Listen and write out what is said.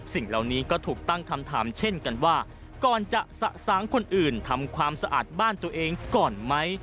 สิ่งเหล่านี้ก็ถูกตั้งคำถามเช่นกันว่าก่อนจะสะสางคนอื่นทำความสะอาดบ้านตัวเองก่อนไหม